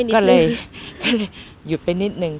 ก็เลยหยุดไปนิดนึง